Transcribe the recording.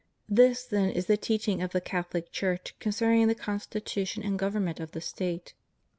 This then is the teaching of the Catholic Church con cerning the constitution and government of the State.